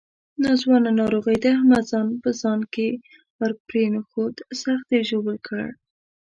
ناځوانه ناروغۍ د احمد ځان په ځان کې ورپرېنښود، سخت یې ژوبل کړ.